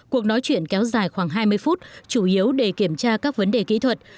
cuộc nói chuyện kéo dài khoảng hai mươi phút chủ yếu để kiểm tra các vấn đề kỹ thuật